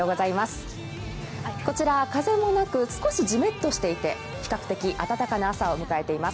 こちら風もなく少しじめっとしていて比較的暖かな朝を迎えています。